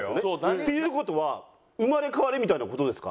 っていう事は生まれ変われ！みたいな事ですか？